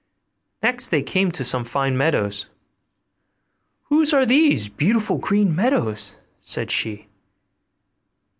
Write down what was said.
Next they came to some fine meadows. 'Whose are these beautiful green meadows?' said she.